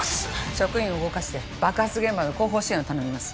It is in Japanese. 職員を動かして爆発現場の後方支援を頼みます